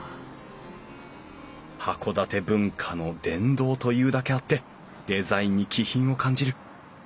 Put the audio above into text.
函館文化の殿堂というだけあってデザインに気品を感じる。